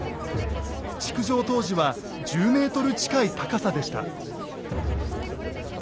築城当時は１０ｍ近い高さでした。